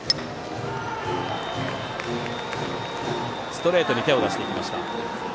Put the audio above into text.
ストレートに手を出しました。